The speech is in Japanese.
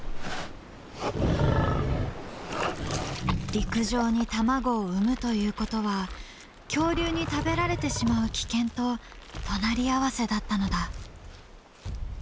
陸上に卵を産むということは恐竜に食べられてしまう危険と隣り合わせだったのだ。